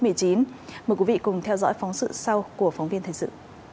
mời quý vị cùng theo dõi phóng sự sau của phóng viên thời sự